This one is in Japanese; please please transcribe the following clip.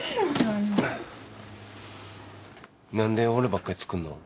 何で俺ばっかり作るの？